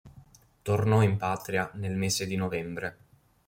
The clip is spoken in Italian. Tornò in patria nel mese di novembre.